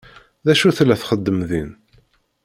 D acu tella txeddem din?